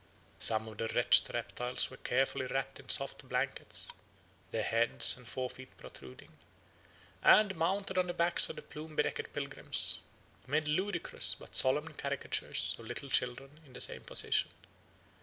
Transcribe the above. Some of the wretched reptiles were carefully wrapped in soft blankets, their heads and forefeet protruding, and, mounted on the backs of the plume bedecked pilgrims, made ludicrous but solemn caricatures of little children in the same position.